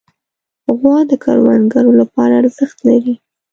غوا د کروندګرو لپاره ارزښت لري.